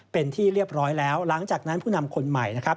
เป็นที่เรียบร้อยแล้วหลังจากนั้นผู้นำคนใหม่นะครับ